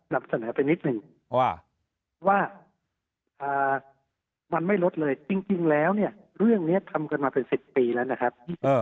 นำเสนอไปนิดนึงว่ามันไม่ลดเลยจริงแล้วเนี่ยเรื่องนี้ทำกันมาเป็น๑๐ปีแล้วนะครับ